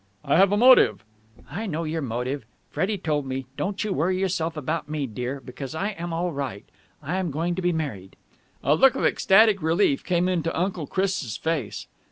"I have a motive...." "I know your motive. Freddie told me. Don't you worry yourself about me, dear, because I am all right. I am going to be married." A look of ecstatic relief came into Uncle Chris' face.